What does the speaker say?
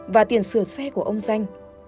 và tiền sửa xe của ông xanh